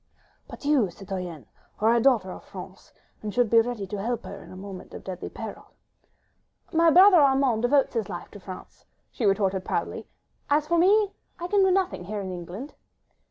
"But you, citoyenne, are a daughter of France, and should be ready to help her in a moment of deadly peril." "My brother Armand devotes his life to France," she retorted proudly; "as for me, I can do nothing ... here in England.